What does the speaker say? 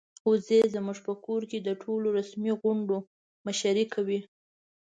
وزې زموږ په کور کې د ټولو رسمي غونډو مشري کوي.